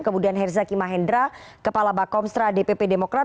kemudian herzaki mahendra kepala bakomstra dpp demokrat